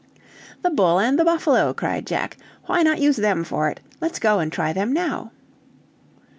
"The bull and the buffalo!" cried Jack. "Why not use them for it? Let's go and try them now!"